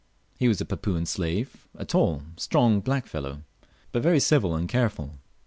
He was a Papuan slave, a tall, strong black fellow, but very civil and careful.